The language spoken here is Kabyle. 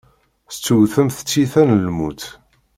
Tettewtemt tiyita n lmut.